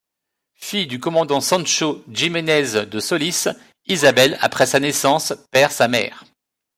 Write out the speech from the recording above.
Fille du commandant Sancho Jiménez de Solis, Isabelle, après sa naissance, perd sa mère.